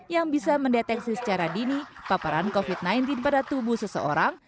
yang bisa mendeteksi secara dini paparan covid sembilan belas pada tubuh seseorang